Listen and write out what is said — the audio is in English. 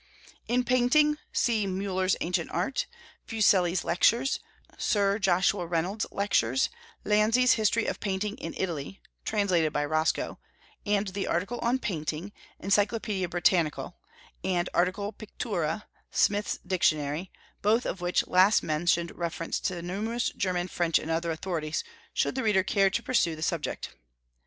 In Painting, see Müller's Ancient Art; Fuseli's Lectures; Sir Joshua Reynolds's Lectures; Lanzi's History of Painting in Italy (translated by Roscoe); and the Article on "Painting," Encyclopaedia Britannica, and Article "Pictura," Smith's Dictionary, both of which last mentioned refer to numerous German, French, and other authorities, should the reader care to pursue the subject.